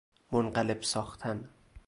منقلب ساختن